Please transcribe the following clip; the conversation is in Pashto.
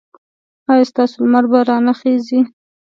ایا ستاسو لمر به را نه خېژي؟